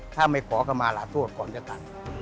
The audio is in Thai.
ถ้าไม่ขอก็มาหลาดโทษก่อนจะตัด